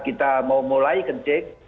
kita mau mulai kencing